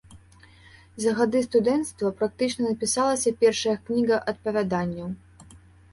За гады студэнцтва практычна напісалася першая кніга апавяданняў.